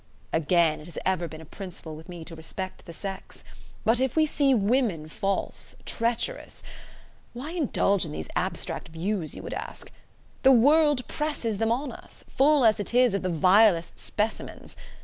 Again, it has ever been a principle with me to respect the sex. But if we see women false, treacherous ... Why indulge in these abstract views, you would ask! The world presses them on us, full as it is of the vilest specimens.